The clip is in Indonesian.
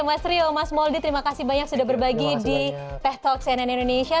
mas rio mas mouldie terima kasih banyak sudah berbagi di teh talk cnn indonesia